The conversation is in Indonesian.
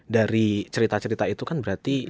dari cerita cerita itu kan berarti